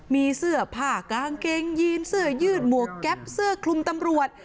มีเสื้อผ้ากางเกงยีนเสื้อยืดหมวกแก๊ปเสื้อคลุมตำรวจ